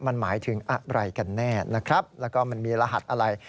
มันหมายถึงอะไรกันแน่นะครับแล้วก็มันมีรหัสอะไร